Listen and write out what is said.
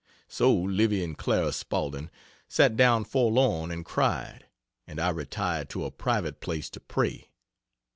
So Livy and Clara (Spaulding) sat down forlorn, and cried, and I retired to a private, place to pray.